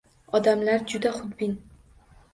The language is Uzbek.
Odamlar juda hudbin